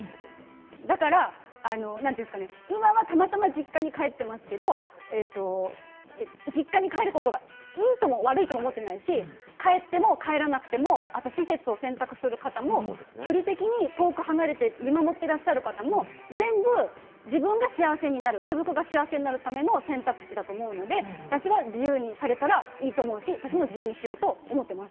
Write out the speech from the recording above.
だから今はたまたま実家に帰っていますけれども、実家に帰ることが良いとも悪いとも思ってもいないし、帰っても帰らなくても、また施設を選択する方も見守ってらっしゃる方も全部、自分が幸せになる家族が幸せになる選択肢だと思うので、私は自由にされたらいいと思うし私も自由にしようと思っています。